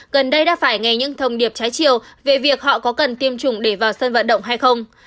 gần đây đã phải nghe những thông điệp trái chiều về việc họ có cần tiêm chủng để vào sân vận động hay không